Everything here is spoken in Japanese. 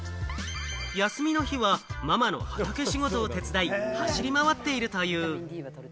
休みの日はママの畑仕事を手伝い、走り回っているという。